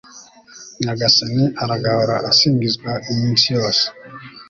nyagasani aragahora asingizwa iminsi yose